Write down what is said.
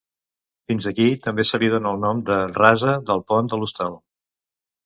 Fins aquí també se li dóna el nom de rasa del Pont de l'Hostal.